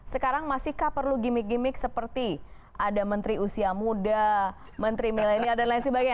sekarang masihkah perlu gimmick gimmick seperti ada menteri usia muda menteri milenial dan lain sebagainya